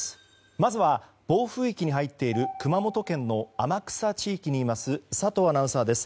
まずは暴風域に入っている熊本県の天草地域にいます佐藤アナウンサーです。